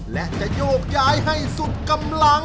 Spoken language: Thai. และจะโยกย้ายให้สุดกำลัง